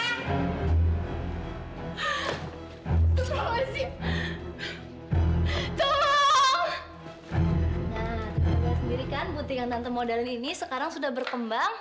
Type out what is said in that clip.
nah kita lihat sendiri kan butik yang tante modalin ini sekarang sudah berkembang